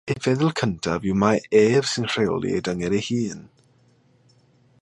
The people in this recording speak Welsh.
Ei feddwl cyntaf yw mai ef sy'n rheoli ei dynged ei hun.